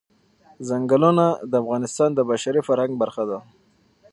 ځنګلونه د افغانستان د بشري فرهنګ برخه ده.